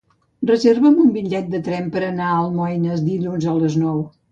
Reserva'm un bitllet de tren per anar a Almoines dilluns a les nou.